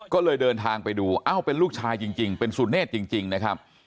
ก็เลยเดินทางไปดูเอ้าเป็นลูกชายจริงเป็นสุเนธจริงนะครับ